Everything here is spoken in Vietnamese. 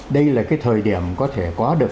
đây là cái thời điểm có thể có được